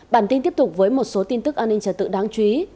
bản tin tiếp tục với một số tin tức an ninh trật tự đáng chú ý